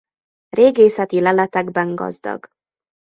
Régészeti leletekben gazdag.